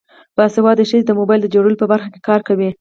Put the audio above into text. باسواده ښځې د موبایل جوړولو په برخه کې کار کوي.